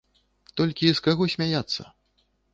Толькі з каго смяяцца?